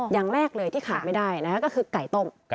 อย่างแรกเลยที่ขาดไม่ได้นะคะก็คือไก่ต้ม